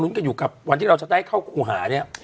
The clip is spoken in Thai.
กันอยู่กับวันที่เราจะได้เข้าครูหาเนี่ย